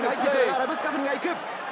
ラブスカフニが行く。